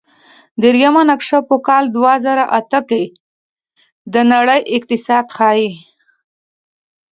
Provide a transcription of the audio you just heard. دریمه نقشه په کال دوه زره اته کې د نړۍ اقتصاد ښيي.